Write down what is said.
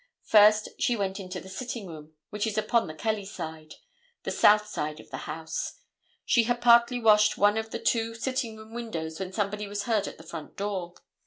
First, she went into the sitting room, which is upon the Kelly side, the south side of the house. She had partly washed one of the two sitting room windows when somebody was heard at the front door.